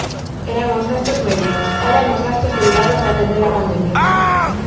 Eran os gastos médicos, eran os gastos derivados de atender a pandemia.